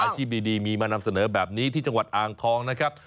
ดีมีมานำเสนอแบบนี้ที่จังหวัดอ่างทองนะครับ